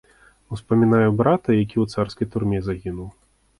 Успамінаю брата, які ў царскай турме загінуў.